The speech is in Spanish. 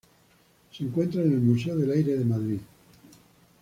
Se encuentra en el Museo del Aire de Madrid.